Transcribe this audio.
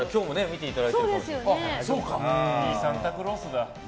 いいサンタクロースだ。